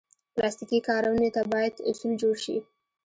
پلاستيکي کارونې ته باید اصول جوړ شي.